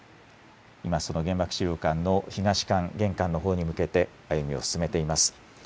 今、その原爆資料館の東館、玄関のほうに向けて歩みを進めています。